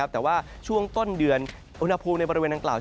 แต่ว่าช่วงต้นเดือนอุณหภูมิในบริเวณดังกล่าว